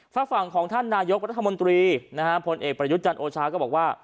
ฝ่าฝั่งของท่านนายกรัฐมนตรีพลเอกประยุจรรย์โอชาก็บอกว่า